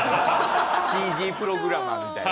ＣＧプログラマーみたいな。